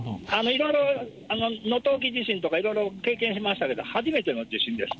いろいろ能登沖地震とか、いろいろ経験しましたけど、初めての地震です。